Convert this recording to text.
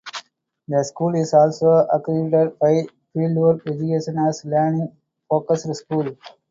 The school is also accredited by Fieldwork Education as a Learning-Focused School.